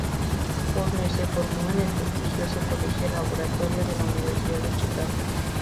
Posner se formó en el prestigioso Colegio Laboratorio de la Universidad de Chicago.